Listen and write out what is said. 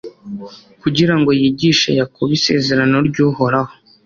kugira ngo yigishe yakobo isezerano ry'uhoraho